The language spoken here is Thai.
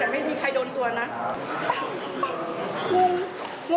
ไปไม่มีใคระนม